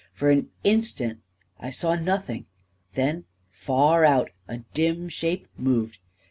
For an instant, I saw nothing; then, far out, a dim shape moved